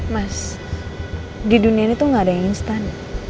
mas di dunia ini tuh gak ada yang instan